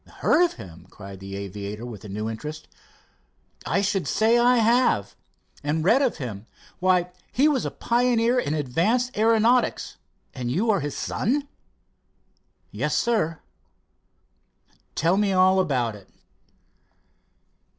"Heard of him!" cried the aviator, with new interest. "I should say I have. And read of him. Why, he was a pioneer in advanced aeronautics. And you are his son?" "Yes, sir." "Tell me all about it."